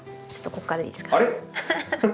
ちょっとここからいいですか？